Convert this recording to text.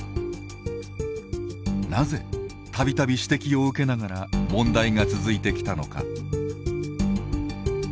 なぜ、たびたび指摘を受けながら問題が続いてきたのか。